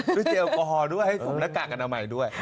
เจลแอลกอฮอลด้วยให้สวมหน้ากากอนามัยด้วย